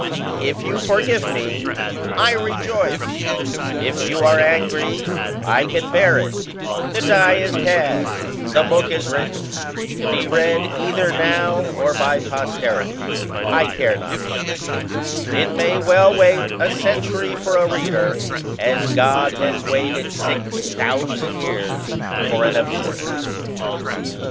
If you forgive me, I rejoice; if you are angry, I can bear it; the die is cast, the book is written, to be read either now or by posterity, I care not which; it may well wait a century for a reader, as God has waited six thousand years for an observer."